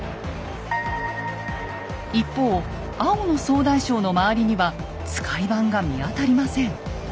一方青の総大将の周りには使番が見当たりません。